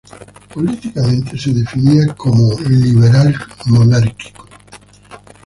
Políticamente se definía como liberal monárquico.